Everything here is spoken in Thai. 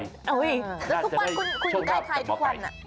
แล้วทุกวันคุณอยู่ใกล้ใครทุกวัน